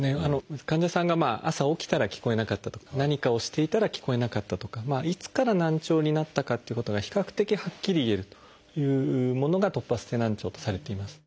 患者さんが朝起きたら聞こえなかったとか何かをしていたら聞こえなかったとかいつから難聴になったかっていうことが比較的はっきり言えるというものが突発性難聴とされています。